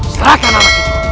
serahkan anak itu